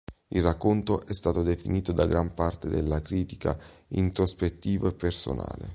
Il racconto è stato definito da gran parte della critica introspettivo e personale.